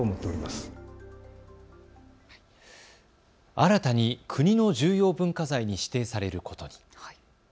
新たに国の重要文化財に指定されることに。